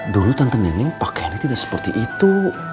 dulu tante neneng pakaiannya tidak seperti itu